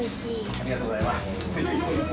ありがとうございます。